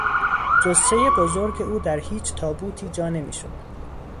جثهی بزرگ او در هیچ تابوتی جا نمیشد.